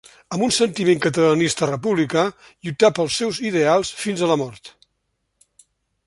Amb un sentiment catalanista republicà, lluità pels seus ideals fins a la mort.